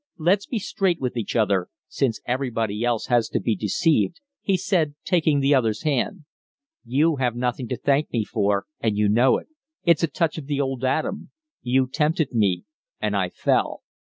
"Let's be straight with each other, since everybody else has to be deceived," he said, taking the other's hand. "You have nothing to thank me for, and you know it. It's a touch of the old Adam. You tempted me, and I fell."